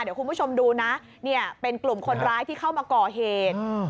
เดี๋ยวคุณผู้ชมดูนะเนี่ยเป็นกลุ่มคนร้ายที่เข้ามาก่อเหตุ